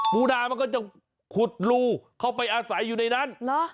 ปูนามันก็จะขุดรูเข้าไปอาศัยอยู่ในนั้น